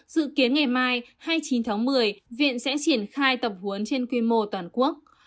dự kiến ngày mai hai mươi chín tháng một mươi viện sẽ triển khai tập huấn trên quy mô toàn quốc